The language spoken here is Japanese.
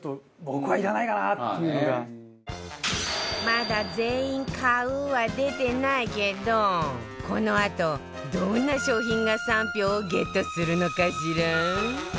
まだ全員「買う」は出てないけどこのあとどんな商品が３票をゲットするのかしら？